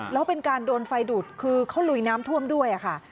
แล้วเป็นการโดนไฟดูดคือเขาลุยน้ำท่วมด้วยค่ะ